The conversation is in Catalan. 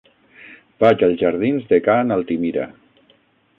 Vaig als jardins de Ca n'Altimira.